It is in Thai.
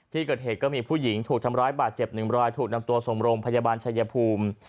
ที่เกิดเหตุก็มีผู้หญิงถูกทำร้ายบาดเจ็บหนึ่งรายถูกนำตัวส่งโรงพยาบาลชายภูมิ